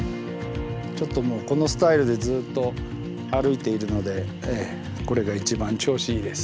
ちょっともうこのスタイルでずっと歩いているのでこれが一番調子いいです。